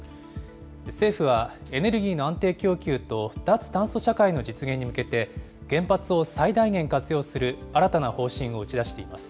政府はエネルギーの安定供給と脱炭素社会の実現に向けて、原発を最大限活用する新たな方針を打ち出しています。